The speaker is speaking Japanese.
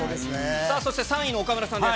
さあそして３位の岡村さんです。